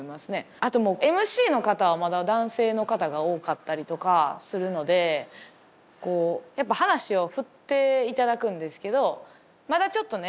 あともうＭＣの方はまだ男性の方が多かったりとかするのでこうやっぱ話を振っていただくんですけどまだちょっとね